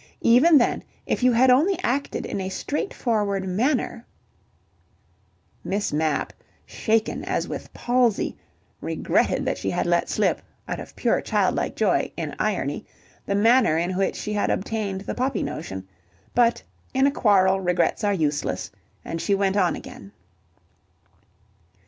"Even then, if you had only acted in a straightforward manner " Miss Mapp, shaken as with palsy, regretted that she had let slip, out of pure childlike joy, in irony, the manner in which she had obtained the poppy notion, but in a quarrel regrets are useless, and she went on again.